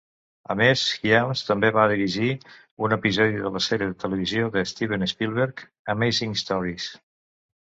A més, Hyams també va dirigir un episodi de la sèrie de televisió de Steven Spielberg "Amazing Stories".